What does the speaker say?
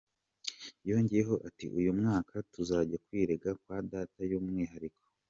Yongeyeho ati "Uyu mwaka tuzajya kwirega kwa Data by’umwihariko.